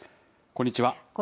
こんにちは。